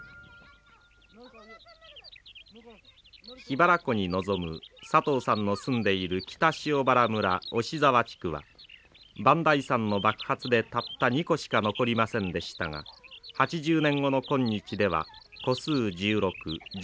桧原湖に望むさとうさんの住んでいる北塩原村雄子沢地区は磐梯山の爆発でたった２戸しか残りませんでしたが８０年後の今日では戸数１６人口は９０人。